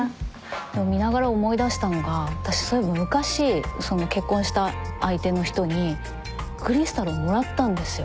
でも見ながら思い出したのが私そういえば昔結婚した相手の人にクリスタルをもらったんですよ。